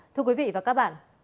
thưa quý vị và các bạn